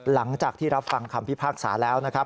หลังจากที่รับฟังคำพิพากษาแล้วนะครับ